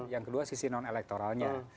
yang kedua sisi non elektoralnya